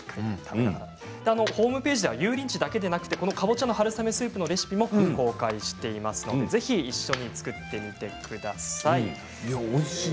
ホームページでは油淋鶏だけではなく、かぼちゃの春雨スープのレシピも公開していますのでぜひ一緒に作ってみてください。